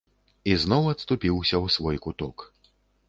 І зноў адступіўся ў свой куток.